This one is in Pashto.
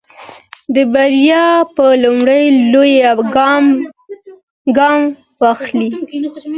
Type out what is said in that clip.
د بریا په لور لومړی ګام واخلئ.